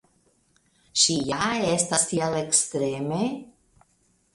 Ŝi ja estas tiel ekstreme?